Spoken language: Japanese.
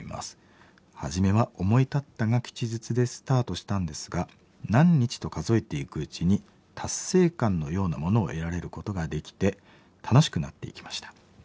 初めは思い立ったが吉日でスタートしたんですが何日と数えていくうちに達成感のようなものを得られることができて楽しくなっていきました。